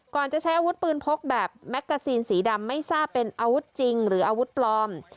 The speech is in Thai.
จะใช้อาวุธปืนพกแบบแมกกาซีนสีดำไม่ทราบเป็นอาวุธจริงหรืออาวุธปลอม